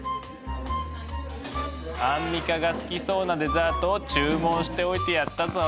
アンミカが好きそうなデザートを注文しておいてやったぞ。